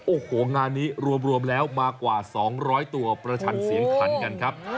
โอ้โหงานนี้รวมแล้วมากว่า๒๐๐ตัวประชันเสียงขันกันครับ